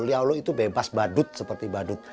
liau itu bebas badut seperti badut